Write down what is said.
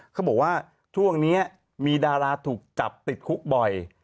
เขาบอกว่าช่วงนี้มีดาราถูกจับติดคุกบ่อย